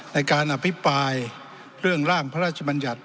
ในการอภิปรายเรื่องร่างพระราชบัญญัติ